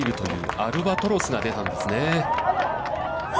アルバトロスが出たんですね。